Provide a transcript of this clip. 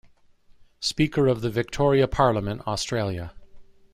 Speaker of the Victoria Parliament, Australia.